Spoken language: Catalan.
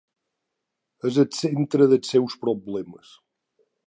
És el centre dels seus problemes.